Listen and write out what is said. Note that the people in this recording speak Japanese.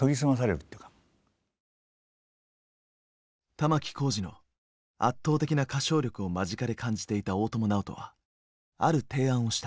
玉置浩二の圧倒的な歌唱力を間近で感じていた大友直人はある提案をした。